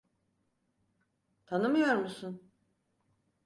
Tanımıyor musun?